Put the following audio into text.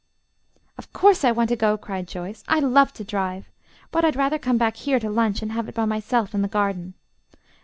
"Of course I want to go," cried Joyce. "I love to drive. But I'd rather come back here to lunch and have it by myself in the garden.